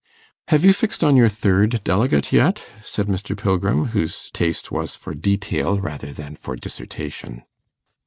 'Have you fixed on your third delegate yet?' said Mr. Pilgrim, whose taste was for detail rather than for dissertation.